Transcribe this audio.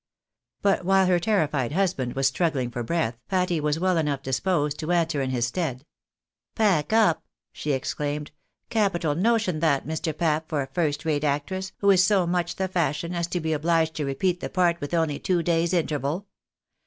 But, while her terrified husband was struggling for breath, Patty was well enough disposed to answer in his stead. " Pack up !" she exclaimed. " Capital notion that, Mr. Pap, for a first rate actress, who is so much the fashion, as to be obliged to repeat the part with only two days' interval.